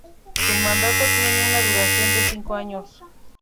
Su mandato tiene una duración de cinco años.